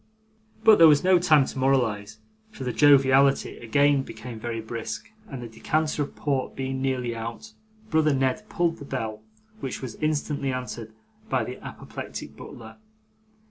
But there was no time to moralise, for the joviality again became very brisk, and the decanter of port being nearly out, brother Ned pulled the bell, which was instantly answered by the apoplectic butler.